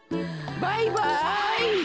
バイバイ。